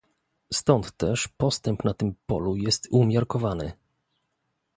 Stąd też postęp na tym polu jest umiarkowany